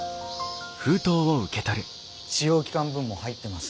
試用期間分も入ってます。